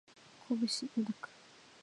神戸市灘区